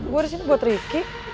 gue disini buat rifki